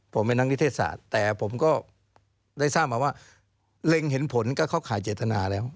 ผมเป็นนักนิเทศศาสตร์แต่ผมก็ได้ทราบมาว่าเล็งเห็นผลก็เข้าข่ายเจตนาแล้ว